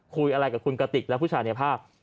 คุยอะไรกับคุณกติกและผู้ชายในภาพ